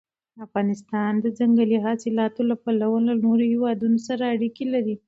افغانستان د ځنګلي حاصلاتو له پلوه له نورو هېوادونو سره اړیکې لري.